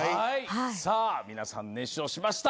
さあ皆さん熱唱しました。